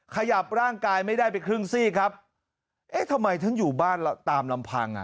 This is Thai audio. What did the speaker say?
ขยับร่างกายไม่ได้ไปครึ่งซี่ครับเอ๊ะทำไมฉันอยู่บ้านตามลำพังอ่ะ